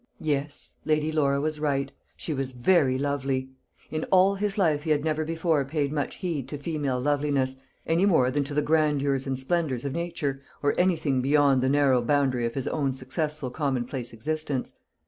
Yes, Lady Laura was right; she was very lovely. In all his life he had never before paid much heed to female loveliness, any more than to the grandeurs and splendours of nature, or anything beyond the narrow boundary of his own successful commonplace existence.